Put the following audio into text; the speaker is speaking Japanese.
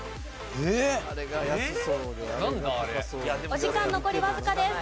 お時間残りわずかです。